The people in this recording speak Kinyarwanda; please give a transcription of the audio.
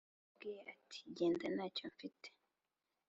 yakubwira ati genda ntacyo mfite